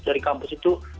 dari kampus itu